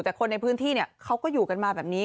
แต่คนในพื้นที่เขาก็อยู่กันมาแบบนี้